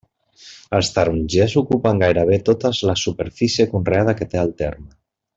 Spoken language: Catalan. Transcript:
Els tarongers ocupen gairebé totes la superfície conreada que té el terme.